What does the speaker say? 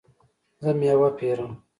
زه میوه پیرم